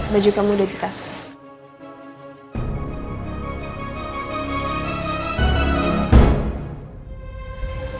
baju kamu udah dikasih